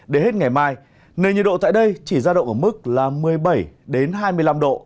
đến hết ngày mai nền nhiệt độ tại đây chỉ ra động ở mức là một mươi bảy hai mươi năm độ